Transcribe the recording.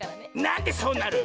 なんでそうなる！